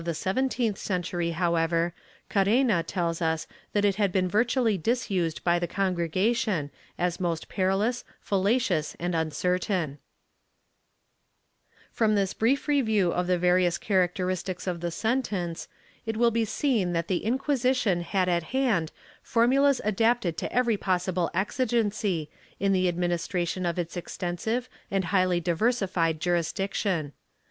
3) 120 THE SENTENCE [Book VII seventeenth century, however, Carena tells us that it had been virtually disused by the Congregation, as most perilous, falla cious and uncertain/ From this brief review of the various characteristics of the sentence, it will be seen that the Inquisition had at hand formulas adapted to every possible exigency, in the administration of its extensive and highly diversified jurisdiction.